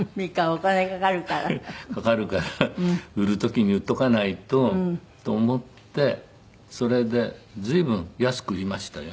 かかるから売る時に売っておかないとと思ってそれで随分安く売りましたよ。